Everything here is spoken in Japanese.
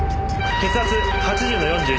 血圧８０の４２。